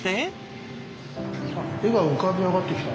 絵が浮かび上がってきた。